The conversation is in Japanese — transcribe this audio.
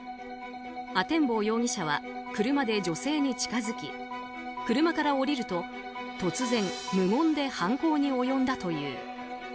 阿天坊容疑者は車で女性に近づき車から降りると突然、無言で犯行に及んだという。